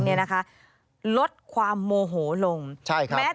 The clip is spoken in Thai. มันเกิดเหตุเป็นเหตุที่บ้านกลัว